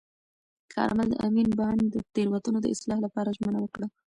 کارمل د امین بانډ د تېروتنو د اصلاح لپاره ژمنه وکړه.